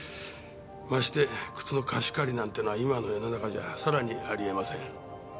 まして靴の貸し借りなんてのは今の世の中じゃさらにありえません。